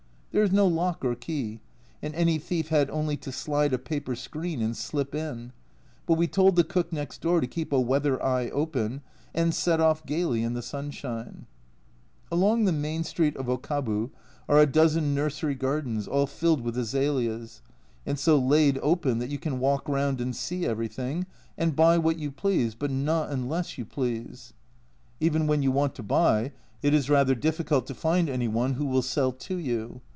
There is no lock or key, and any thief had only to slide a paper screen and slip in, but we told the cook next door to keep a weather eye open, and set off gaily in the sunshine. Along the main street of Okabu are a dozen nursery gardens, all filled with azaleas, and so laid open that you can walk round and see everything, and buy what you please, but not unless you please. Even when you want to buy it is rather difficult to find any one who will sell to you.